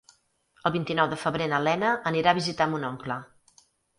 El vint-i-nou de febrer na Lena anirà a visitar mon oncle.